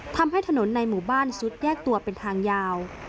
ทำให้ถนนในหมู่บ้านซุดแยกตัวเป็นทางยาว